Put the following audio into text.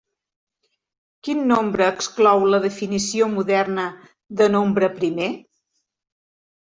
Quin nombre exclou la definició moderna de nombre primer?